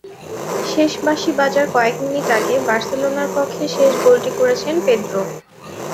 শেষ বাঁশি বাজার কয়েক মিনিট আগে বার্সেলোনার পক্ষে শেষ গোলটি করেছেন পেদ্রো।